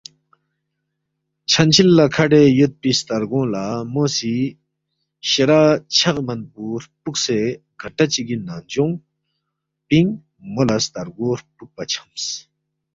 چھن چھِل لہ کھڈے یودپی سترگونگ لہ مو سی شرا چھغے من پو ہرپُوکسے گھنٹہ چِگی ننگجونگ پِنگ مو لہ سترگو ہرپُوکپا چھمس